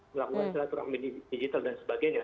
melakukan silaturahmi digital dan sebagainya